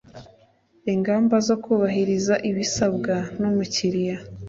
ingamba zo kubahiriza ibisabwa n umukiliya